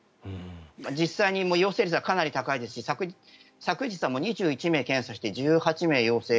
実際に陽性率はかなり高いですし昨日は２１名検査して１８名陽性。